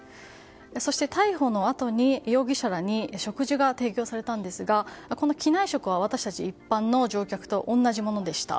そして、逮捕のあとに容疑者らに食事が提供されたんですがこの機内食は私たち一般の乗客と同じものでした。